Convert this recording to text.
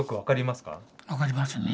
分かりますね